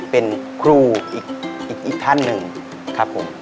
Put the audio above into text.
เป็นครูอีกท่านหนึ่งครับผม